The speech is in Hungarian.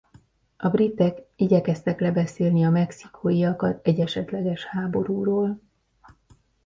A britek igyekeztek lebeszélni a mexikóiakat egy esetleges háborúról.